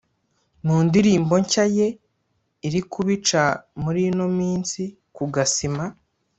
mundirimbo nshya ye irikubica muri ino minsi kugasima